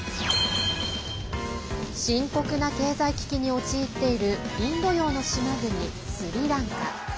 深刻な経済危機に陥っているインド洋の島国スリランカ。